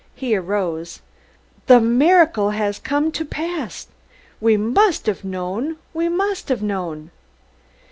He arose. "Der miracle has come to pass! Ve might haf known! Ve might haf known!"